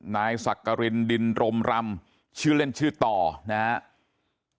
นายสักกรินดินรมรำชื่อเล่นชื่อต่อนะครับ